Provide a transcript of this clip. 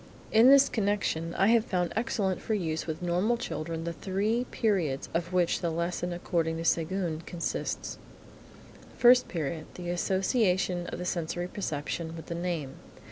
In this connection I have found excellent for use with normal children the three periods of which the lesson according to Séguin consists: First Period. The association of the sensory perception with the name.